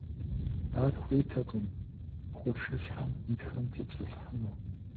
Ар хуейтэкъым къуршыщхьэм итхэм тепсэлъыхьыну.